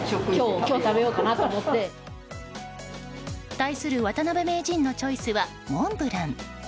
対する渡辺名人のチョイスはモンブラン。